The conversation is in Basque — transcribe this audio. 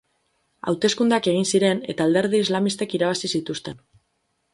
Hauteskundeak egin ziren eta alderdi islamistek irabazi zituzten.